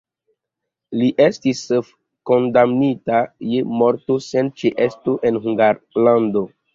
Li estis kondamnita je morto sen ĉeesto en Hungarlando.